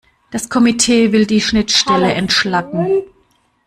Das Komitee will die Schnittstelle entschlacken.